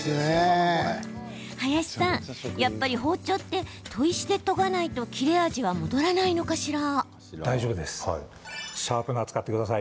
林さん、やっぱり包丁って砥石で研がないと切れ味は戻らないのかしら？